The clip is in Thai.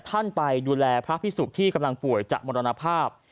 ท่านไปดูแลพระพิสุที่กำลังป่วยจากมรณภาพ